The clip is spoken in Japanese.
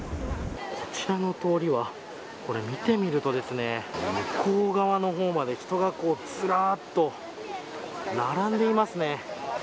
こちらの通りはこれ、見てみると向こう側の方まで人がずらっと並んでいますね。